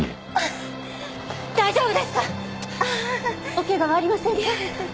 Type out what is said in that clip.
お怪我はありませんか？